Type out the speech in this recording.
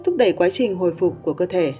thúc đẩy quá trình hồi phục của cơ thể